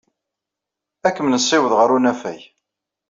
Ad kem-nessiweḍ ɣer unafag.